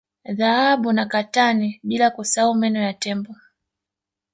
Dhahabu na katani bila kusahau meno ya Tembo